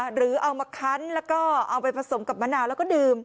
หรือเอามาคันแล้วก็เอาไปผสมกับมะนาวแล้วก็ดื่ม